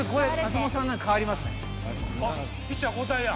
ピッチャー交代や！